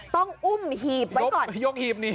ต้องอุ้มหีบไว้ก่อนยกหีบหนี